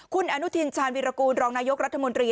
คุณอนุทินชาญวิรากูลรองนายกรัฐมนตรี